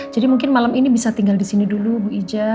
jadi mungkin malam ini bisa tinggal di sini dulu ibu ijah